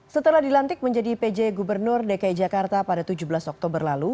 setelah dilantik menjadi pj gubernur dki jakarta pada tujuh belas oktober lalu